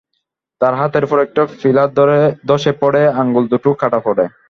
তাঁর হাতের ওপর একটি পিলার ধসে পড়ে আঙুল দুটো কাটা পড়ে।